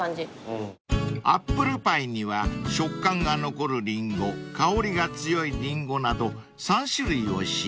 ［アップルパイには食感が残るリンゴ香りが強いリンゴなど３種類を使用］